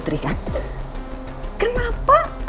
tapi yang menyangkut padaku